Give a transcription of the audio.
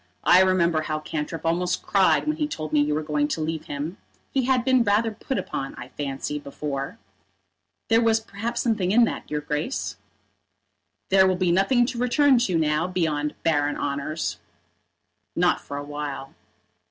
I remember how Cantrip almost cried when he told me you were going to leave him. He had been rather put upon, I fancy, before." "There was perhaps something in that, your Grace." "There will be nothing to return to now beyond barren honours." "Not for a while."